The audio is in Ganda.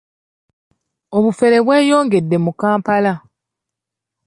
Obufere bweyongedde mu Kampala.